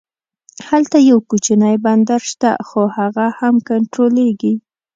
هلته یو کوچنی بندر شته خو هغه هم کنټرولېږي.